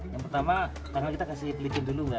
yang pertama tangan kita kasih licin dulu pak